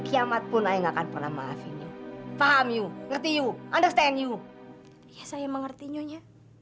selamat puna yang akan pernah maafin paham you ngerti you understand you saya mengerti nyonya